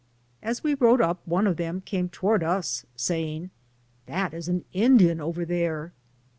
As w.e rode up one of them came to ward us, saying, "That is an Indian, over there."